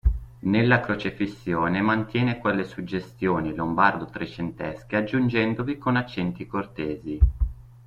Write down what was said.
Nella crocefissione mantiene quelle suggestioni lombardo trecentesche aggiungendovi con accenti cortesi.